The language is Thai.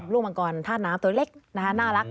ลูกมังกรท่าน้ำตัวเล็กน่ารัก